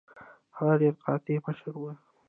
هغه ډیره قاطع مشره وه.